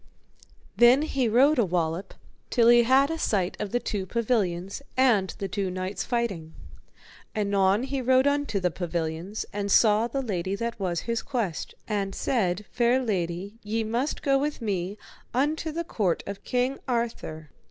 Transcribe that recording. Then he rode a wallop till he had a sight of the two pavilions, and the two knights fighting. Anon he rode unto the pavilions, and saw the lady that was his quest, and said, Fair lady, ye must go with me unto the court of King Arthur.